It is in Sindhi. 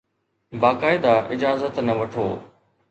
باقاعده اجازت نه وٺو